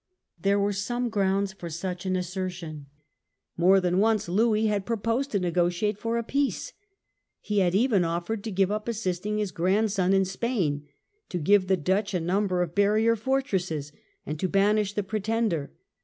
There were some grounds for such an assertion. More than once Louis had proposed to negotiate for a peace. He had even offered to give up assisting his grandson in Spain, to give the Dutch a number of barrier fortresses, and to banish the Pretender.